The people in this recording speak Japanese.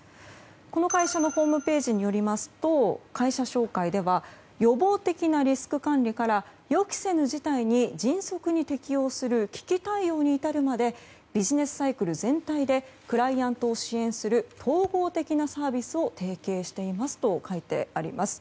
この会社のホームページによりますと会社紹介では予防的なリスク管理から予期せぬ事態に迅速に適応する危機対応に至るまでビジネスサイクル全体でクライアントを支援する統合的なサービスを提供していますと書いてあります。